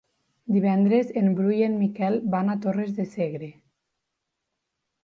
Divendres en Bru i en Miquel van a Torres de Segre.